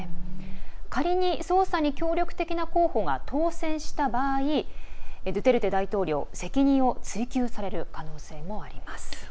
仮に、捜査に協力的な候補が当選した場合、ドゥテルテ大統領責任を追及される可能性もあります。